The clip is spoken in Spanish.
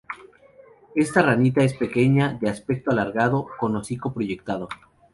Esta ranita es pequeña de aspecto alargado con hocico proyectado.